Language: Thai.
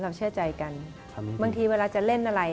บางทีเวลาจะเล่นอะไร